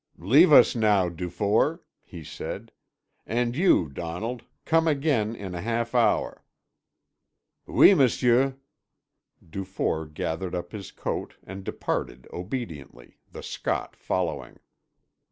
"Leave us now, Dufour," he said. "And you, Donald, come again in a half hour." "Oui, M'sieu." Dufour gathered up his coat and departed obediently, the Scot following.